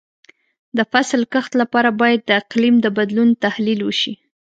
د فصل کښت لپاره باید د اقلیم د بدلون تحلیل وشي.